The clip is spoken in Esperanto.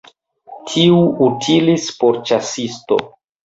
Tiu utilis por ĉasisto.